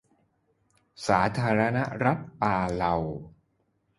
สาธารณรัฐปาเลา